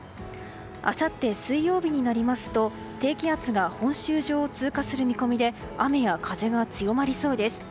あさって水曜日になりますと低気圧が本州上を通過する見込みで雨や風が強まりそうです。